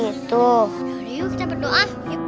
yaudah yuk kita berdoa